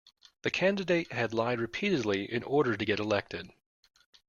The candidate had lied repeatedly in order to get elected